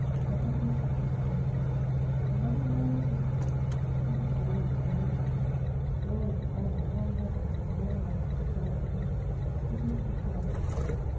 I published this article: "Another royal truce! "Peace to day to the ministers! "Glory, honour, long happiness and long life to Charles X.! It is St. Charles's Day!